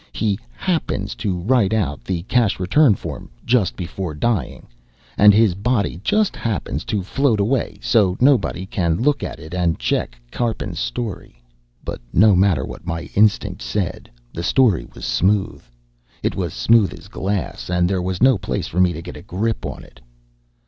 He happens to write out the cash return form just before dying. And his body just happens to float away, so nobody can look at it and check Karpin's story. But no matter what my instinct said, the story was smooth. It was smooth as glass, and there was no place for me to get a grip on it.